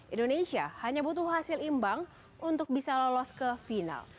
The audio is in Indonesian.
indonesia hanya butuh hasil imbang untuk bisa lolos ke final